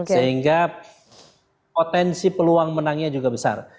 sehingga potensi peluang menangnya juga besar